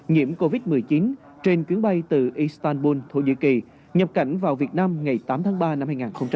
nhiễm covid một mươi chín trên chuyến bay từ istanbul thổ nhĩ kỳ nhập cảnh vào việt nam ngày tám tháng ba năm hai nghìn hai mươi